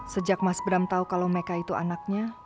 sejak mas bram tau kalau meka itu anaknya